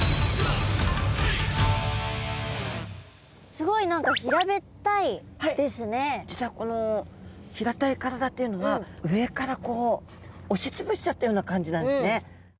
すごい何か実はこの平たい体っていうのは上からこう押し潰しちゃったような感じなんですね。